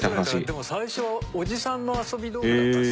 でも最初はおじさんの遊び道具だったんですよ。